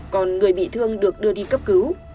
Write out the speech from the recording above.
còn người bị thương được đưa đi cấp cứu